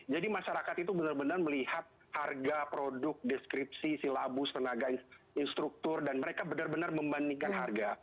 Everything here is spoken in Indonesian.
jadi masyarakat itu benar benar melihat harga produk deskripsi silabus tenaga instruktur dan mereka benar benar membandingkan harga